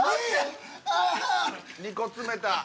２個積めた。